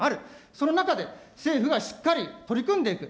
その中で政府がしっかり取り組んでいく。